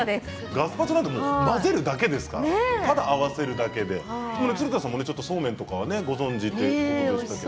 ガスパチョを混ぜるだけただ合わせるだけ鶴田さんはそうめんとかはご存じということでした。